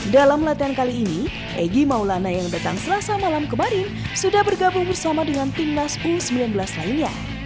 dalam latihan kali ini egy maulana yang datang selasa malam kemarin sudah bergabung bersama dengan timnas u sembilan belas lainnya